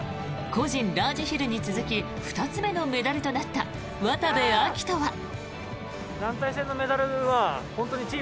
個人ラージヒルに続き２つ目のメダルとなった渡部暁斗は。